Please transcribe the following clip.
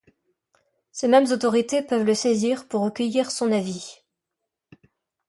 Ces mêmes autorités peuvent le saisir pour recueillir son avis.